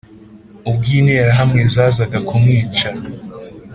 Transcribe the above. Ubwo interahamwe zazaga kumwica